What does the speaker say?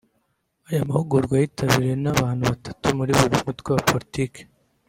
Aya mahugurwa yitabiriwe n’abantu batatu muri buri mutwe wa Politiki